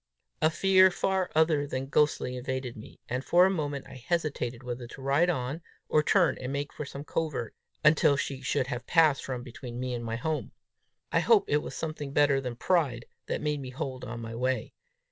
A fear far other than ghostly invaded me, and for a moment I hesitated whether to ride on, or turn and make for some covert, until she should have passed from between me and my home. I hope it was something better than pride that made me hold on my way.